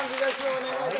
お願いいたします。